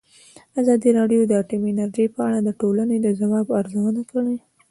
ازادي راډیو د اټومي انرژي په اړه د ټولنې د ځواب ارزونه کړې.